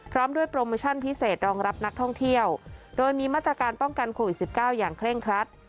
พร้อมด้วยโปรโมชั่นพิเศษรองรับนักท่องเที่ยวโดยมีมาตรการป้องกันโควิด๑๙อย่างเคร่งครัด